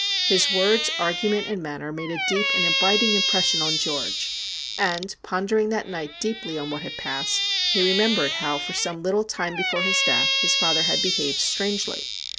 His words, argument, and manner made a deep and abiding impression on George, and, pondering that night deeply on what had passed, he re membered how for some little time before his death his father had behaved strangely.